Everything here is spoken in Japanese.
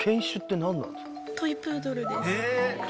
トイ・プードルです。